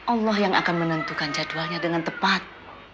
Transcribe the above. allah yang akan menentukan jadwalnya dengan tepat